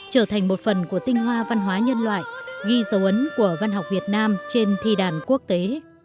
trở thành một phần của tinh hoa văn hóa nhân loại ghi dấu ấn của văn học việt nam trên thi đàn quốc tế